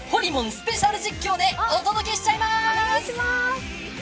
スペシャル実況でお届けしちゃいます。